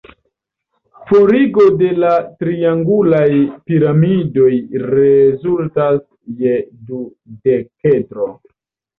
Forigo de la triangulaj piramidoj rezultas je dudekedro.